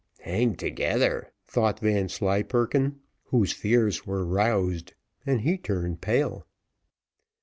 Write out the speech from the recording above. Hang together! thought Vanslyperken, whose fears were roused, and he turned pale.